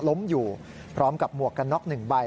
ล้มอยู่พร้อมกับหมวกกันน็อก๑ใบ